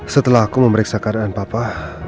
setelah aku memeriksa keadaan papa